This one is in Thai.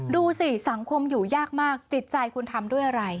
ดูสิสังคมอยู่ยากมากจิตใจคุณทำด้วยอะไร